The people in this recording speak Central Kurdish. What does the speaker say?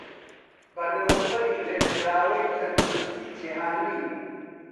بەڕێوەبەری ڕێکخراوەی تەندروستیی جیهانی